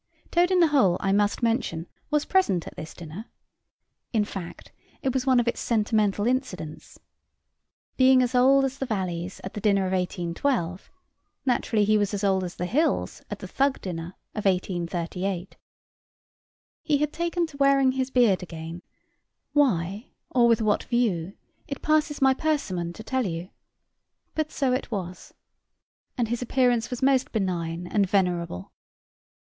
Toad in the hole, I must mention, was present at this dinner. In fact, it was one of its sentimental incidents. Being as old as the valleys at the dinner of 1812, naturally he was as old as the hills at the Thug dinner of 1838. He had taken to wearing his beard again; why, or with what view, it passes my persimmon to tell you. But so it was. And his appearance was most benign and venerable.